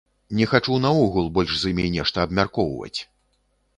Не хачу наогул больш з імі нешта абмяркоўваць!